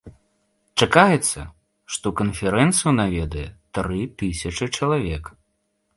Чакаецца, што канферэнцыю наведае тры тысячы чалавек.